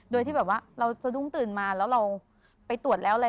โดยที่แบบว่าเราสะดุ้งตื่นมาแล้วเราไปตรวจแล้วอะไร